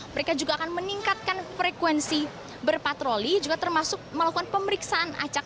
mereka juga akan meningkatkan frekuensi berpatroli juga termasuk melakukan pemeriksaan acak